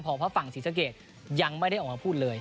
เพราะฝั่งศรีสะเกดยังไม่ได้ออกมาพูดเลย